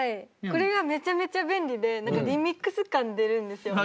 これがめちゃめちゃ便利でリミックス感出るんですよ。